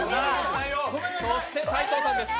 そして、齊藤さんです。